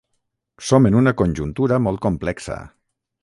Som en una conjuntura molt complexa.